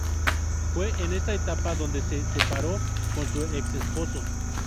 Fue en esta etapa donde se separó con su ex esposo.